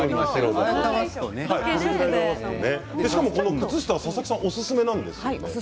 靴下は佐々木さんおすすめなんですよね。